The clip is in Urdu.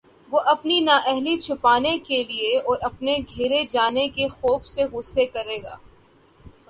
وہ اپنی نااہلی چھپانے کے لیے اور اپنے گھیرے جانے کے خوف سے غصہ کرے گا